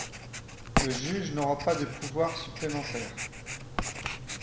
Le juge n’aura pas de pouvoir supplémentaire.